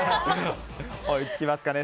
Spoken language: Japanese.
追いつきますかね。